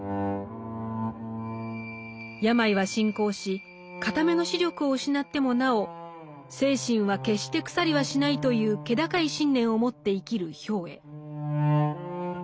病は進行し片目の視力を失ってもなお「精神は決して腐りはしない」という気高い信念を持って生きる兵衛。